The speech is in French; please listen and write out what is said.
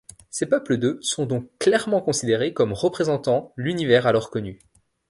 Ces peuples de sont donc clairement considérés comme représentant l’univers alors connu.